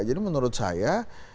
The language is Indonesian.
jadi menurut saya